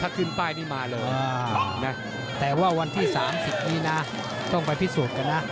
ถ้าขึ้นป้ายนี่มาเลยนะแต่ว่าวันที่๓๐นี้นะต้องไปพิสูจน์กันนะ